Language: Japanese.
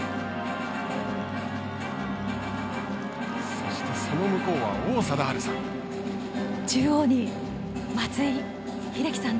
そしてその向こうは王貞治さん。